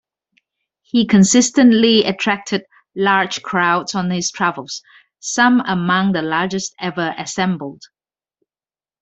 He consistently attracted large crowds on his travels, some among the largest ever assembled.